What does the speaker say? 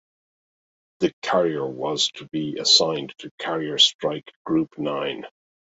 The carrier was to be assigned to Carrier Strike Group Nine.